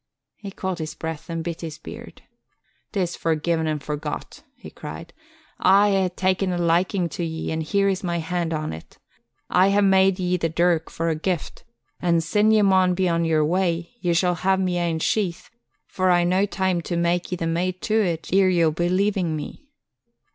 He caught his breath and bit his beard. "'Tis forgi'en an' forgot," he cried. "I hae ta'en a likin' to ye an' here's my hand on't. I hae made ye the dirk for a gift an' sin ye maun be on your way, ye shall hae my ane sheath, for I've no the time to mak' ye the mate to it e'er ye'll be leavin' me."